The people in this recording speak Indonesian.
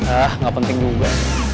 ah gak penting juga